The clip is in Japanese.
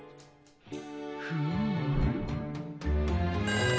フーム。